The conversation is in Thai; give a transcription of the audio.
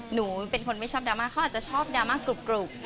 หนูเป็นคนไม่ชอบดราม่าเขาอาจจะชอบดราม่ากรุบ